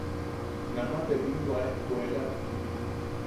Nama te biinwa ejkuelak.